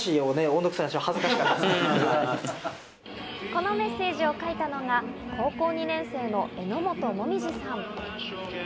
このメッセージを書いたのが高校２年生の榎本紅葉さん。